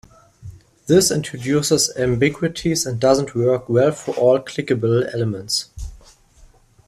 This introduces ambiguities and doesn't work well for all clickable elements.